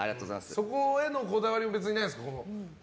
そこへのこだわりも別にないんですか。